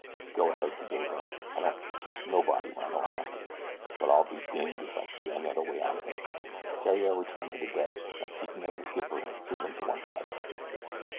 "Go ahead," said Billy Byrne; "I don't trust nobody wen I don't have to; but I'll be dinged if I see any other way out of it." Theriere returned to the deck and seeking out the skipper drew him to one side.